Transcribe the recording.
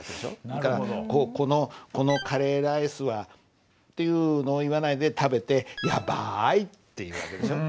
それから「このカレーライスは」っていうのを言わないで食べて「ヤバい」って言う訳でしょ。